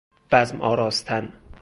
بزم آراستن